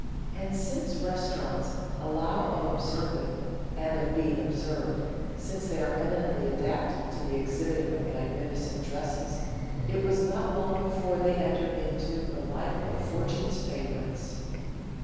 And, since restaurants allow of observing and of being observed, since they are eminently adapted to the exhibiting of magnificent dresses, it was not long before they entered into the life of Fortune's favourites.